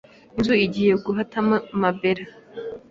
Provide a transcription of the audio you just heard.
inzu igiye gutahamo ma Bella